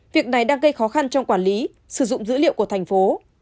việc này đang gây khó khăn trong quản lý sử dụng dữ liệu của thành phố